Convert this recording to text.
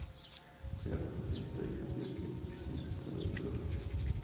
Pero la representación histórica bilingüe persiste en los estados del Suroeste.